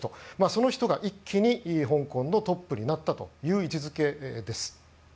その人が一気に香港のトップになったという位置づけです。